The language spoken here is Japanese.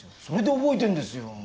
それで覚えてんですよ。